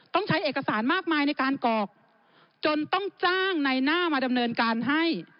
ต้องใช้เอกสารมากมายในการกรอกจนต้องจ้างในหน้ามาดำเนินการให้